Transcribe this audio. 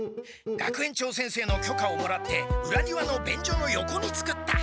学園長先生のきょかをもらってうらにわのべんじょの横に作った。